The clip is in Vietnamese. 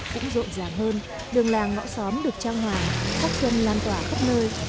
cũng rộn ràng hơn đường làng ngõ xóm được trao hoàng khắp sân lan tỏa khắp nơi